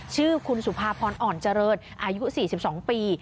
ชื่อคุณสุภาพรอ่อนเจริญอายุ๔๒ปี